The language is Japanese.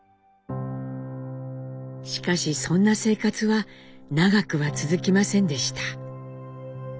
しかしそんな生活は長くは続きませんでした。